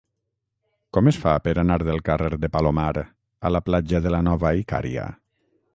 Com es fa per anar del carrer de Palomar a la platja de la Nova Icària?